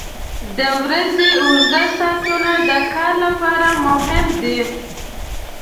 • د ورځې اوږده ساعتونه د کار لپاره مهم دي.